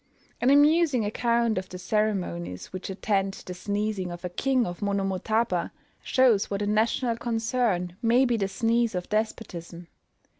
An amusing account of the ceremonies which attend the sneezing of a king of Monomotapa, shows what a national concern may be the sneeze of despotism.